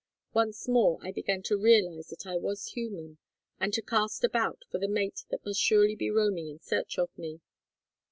Once more I began to realize that I was human, and to cast about for the mate that must surely be roaming in search of me.